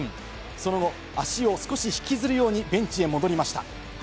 その後、足を少し引きずるようにベンチへ戻りました。